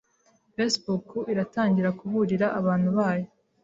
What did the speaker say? Facebook iratangira kuburira abantu bayo